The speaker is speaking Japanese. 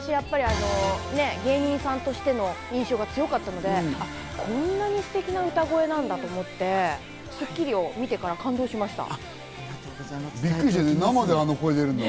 芸人さんとしての印象が強かったので、こんなにすてきな歌声なんだと思って、『スッキリ』を見てから感動しました。